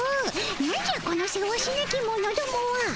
なんじゃこのせわしなき者どもは。